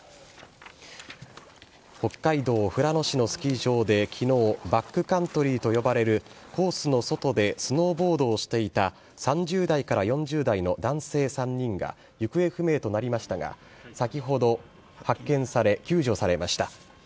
北海道富良野市のスキー場できのう、バックカントリーと呼ばれるコースの外でスノーボードをしていた３０代から４０代の男性３人が、行方不明となりましたが、先ほど発見され、救助されました。